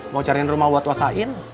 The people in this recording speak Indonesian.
mau cariin rumah buat kuasain